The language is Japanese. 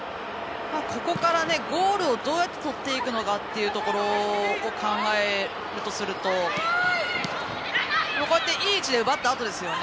ここからゴールをどうやってとっていくかということを考えるとするといい位置で奪ったあとですよね。